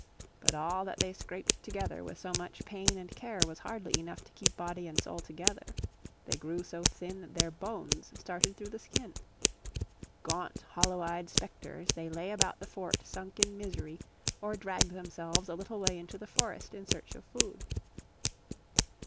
But all that they scraped together with so much pain and care was hardly enough to keep body and soul together. They grew so thin that their bones started through the skin. Gaunt, hollow eyed spectres they lay about the fort sunk in misery, or dragged themselves a little way into the forest in search of food.